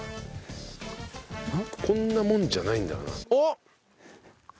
こんなもんじゃないんだろうな。